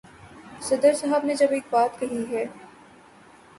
صدر صاحب نے جب ایک بات کہی ہے۔